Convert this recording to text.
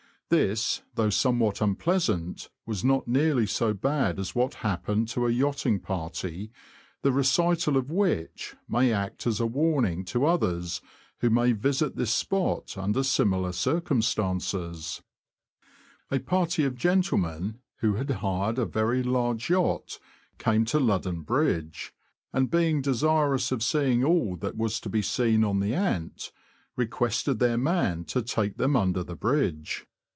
This, though somewhat unpleasant, was not nearly so bad as what happened to a yachting party, the recital of which may act as a warning to others who may visit this spot under similar circum stances. A party of gentlemen, who had hired a very large yacht, came to Ludham Bridge, and being desirous of seeing all that was to be seen on the Ant, requested 154 THE LAND OF THE BROADS. their man to take them under the bridge.